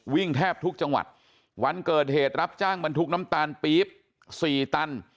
แทบทุกจังหวัดวันเกิดเหตุรับจ้างบรรทุกน้ำตาลปี๊บสี่ตัน